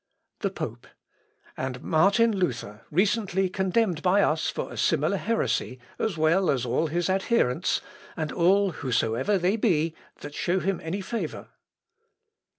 The Pope. "And Martin Luther recently condemned by us for a similar heresy, as well as all his adherents, and all, whosoever they be, that show him any favour."